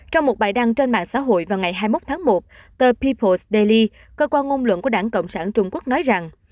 trong một bài đăng trên mạng xã hội vào ngày hai mươi một tháng một tờ pipal selly cơ quan ngôn luận của đảng cộng sản trung quốc nói rằng